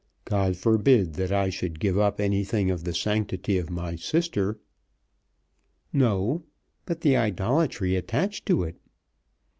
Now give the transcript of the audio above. "God forbid that I should give up anything of the sanctity of my sister." "No; but the idolatry attached to it!